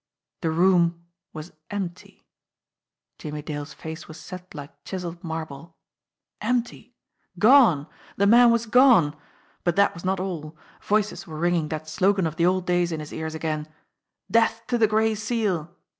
The room was empty! Jimmie Dale's face was set like chiselled marble. Empty ! Gone ! The man was gone ! But that was not all ! Voices were ringing that slogan of the old days in his ears again : "Death to the Gray Seal